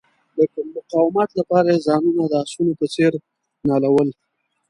د مقاومت لپاره یې ځانونه د آسونو په څیر نالول.